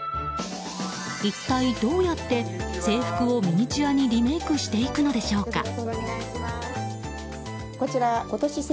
一体どうやって制服をミニチュアにリメイクしていくのでしょうか。